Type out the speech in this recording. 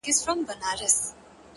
پوه انسان تل زده کوونکی وي!.